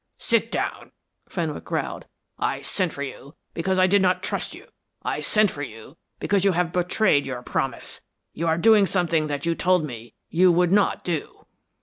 "Sit down," Fenwick growled. "I sent for you because I did not trust you. I sent for you because you have betrayed your promise. You are doing something that you told me you would not do."